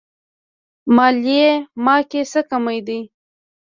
مالې ما کې څه کمی دی.